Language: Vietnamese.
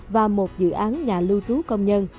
và một dự án nhà lưu trú công nhân